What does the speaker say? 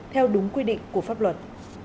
theo đúng quy định của pháp luật